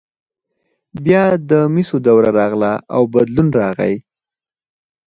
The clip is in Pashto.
بیا د مسو دوره راغله او بدلون راغی.